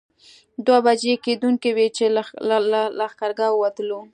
دوه بجې کېدونکې وې چې له لښکرګاه ووتلو.